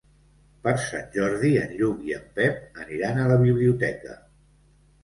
Per Sant Jordi en Lluc i en Pep aniran a la biblioteca.